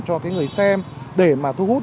cho cái người xem để mà thu hút